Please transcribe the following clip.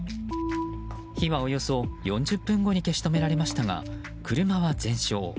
火はおよそ４０分後に消し止められましたが車は全焼。